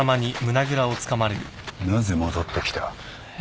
なぜ戻ってきた？え？